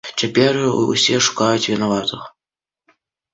Цяпер усе шукаюць вінаватых.